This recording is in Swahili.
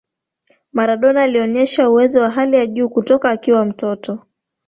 Maradona alionesha uwezo wa hali ya juu kutoka akiwa mtoto